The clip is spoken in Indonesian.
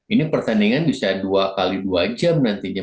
ini pertandingan bisa dua x dua jam nantinya